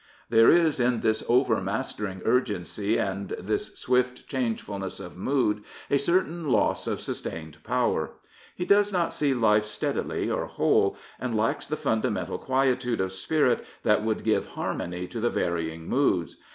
There is in this overmastering urgency and this swift changefulness of mood a certain loss of sustained power. He does not see life steadily or whole, and lacks the fundamentcil quietude of spirit that would give harmony to the varying moods.